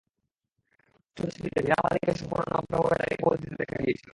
প্রচ্ছদের ছবিতে ভিনা মালিককে সম্পূর্ণ নগ্নভাবে দাঁড়িয়ে পোজ দিতে দেখা গিয়েছিল।